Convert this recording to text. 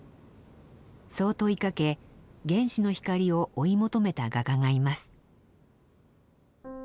そう問いかけ原始の光を追い求めた画家がいます。